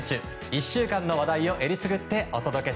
１週間の話題を選りすぐってお届け！